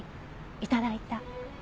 頂いた。